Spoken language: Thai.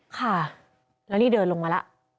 ค่ะแล้วนี่เดินลงมาแล้ว